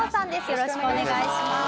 よろしくお願いします！